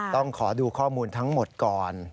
ต้องขอดูข้อมูลทั้งหมดก่อน